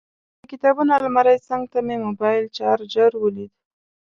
د کتابونو المارۍ څنګ ته مې موبایل چارجر ولید.